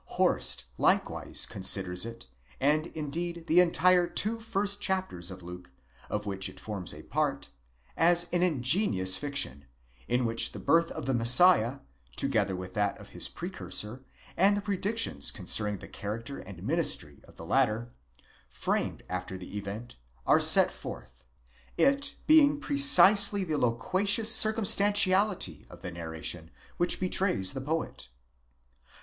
2 Horst likewise considers it, and indeed the entire two first chapters of Luke, of which it forms a part, as an ingenious fiction, in which the birth of the Mes siah, together with that of his precursor, and the predictions concerning the character and ministry of the latter, framed after the event, are set forth ; it being precisely the loquacious circumstantiality of the narration which be trays the poet.